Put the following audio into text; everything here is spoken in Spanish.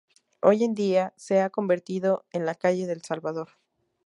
Hoy en día, se ha convertido en la calle del Salvador.